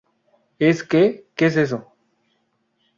¿ Es qué? ¿ qué es eso?